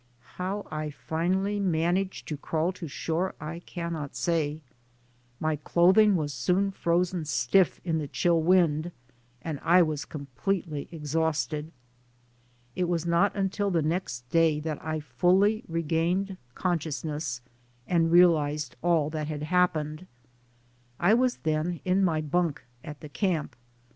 How I finally man aged to crawl to shore I cannot say. My clothing was soon frozen stiff in the chill wind and I was completely exhausted. It was not until the next day that I fully regained consciousness and realized all that had happened. I was then in my bunk at the camp.